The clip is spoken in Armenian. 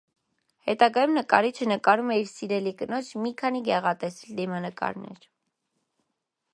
Հետագայում նկարիչը նկարում է իր սիրելի կնոջ մի քանի գեղատեսիլ դիմանկարներ։